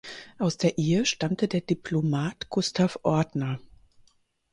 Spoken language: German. Aus der Ehe stammte der Diplomat Gustav Ortner.